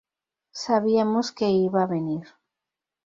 Sabíamos que iba a venir.